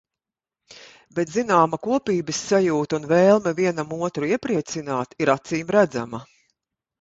Bet zināma kopības sajūta un vēlme vienam otru iepriecināt ir acīmredzama.